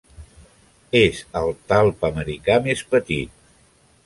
És el talp americà més petit.